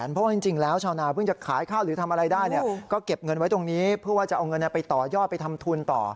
เพราะว่าจริงแล้วชาวนาเพิ่งจะขายข้าวหรือทำอะไรได้ก็เก็บเงินไว้ตรงนี้เพื่อว่าจะเอาเงินไปต่อยอดไปทำทุนต่อ